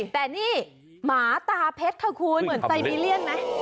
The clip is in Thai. แต่นี่หมาตาเพชรค่ะคุณเหมือนไซบีเรียนไหม